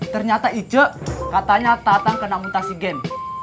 ternyata icuk katanya tatang kena mutasi gen